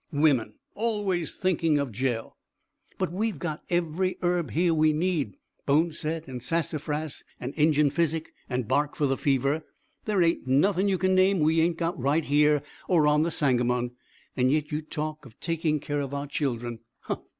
"Women always thinking of jell!" "But we got every herb here we need boneset and sassafras and Injun physic and bark for the fever. There ain't nothing you can name we ain't got right here, or on the Sangamon, yet you talk of taking care of our children. Huh!